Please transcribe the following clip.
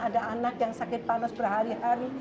ada anak yang sakit panas berhari hari